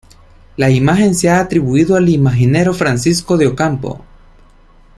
La imagen se ha atribuido al imaginero Francisco de Ocampo.